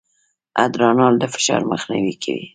ادرانال د فشار مخنیوی کوي.